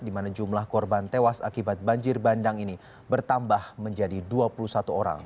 di mana jumlah korban tewas akibat banjir bandang ini bertambah menjadi dua puluh satu orang